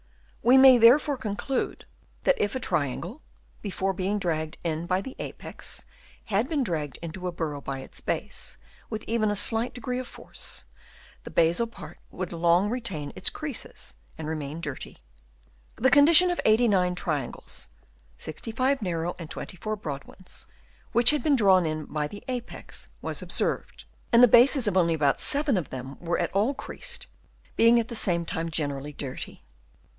We may therefore conclude that if a triangle, before being dragged in by the apex, had been dragged into a burrow by its base with even a slight degree of force, the basal part would long retain its creases and remain dirty. The con dition of 89 triangles (65 narrow and 24 broad ones), which had been drawn in by the apex, was observed ; and the bases of only 7 of them were at all creased, being at the same time generally dirty.